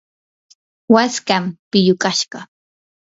waskawan pillukashqa.